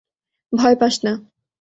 ভয় পাস না!